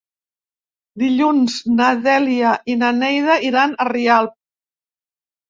Dilluns na Dèlia i na Neida iran a Rialp.